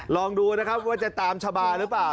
ลองดูนะครับว่าจะตามชะบาหรือเปล่า